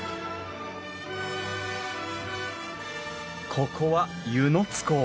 ここは温泉津港。